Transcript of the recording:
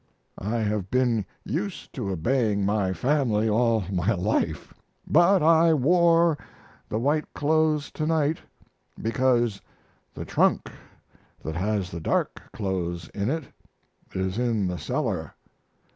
I have been used to obeying my family all my life, but I wore the white clothes to night because the trunk that has the dark clothes in it is in the cellar.